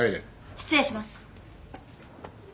失礼します。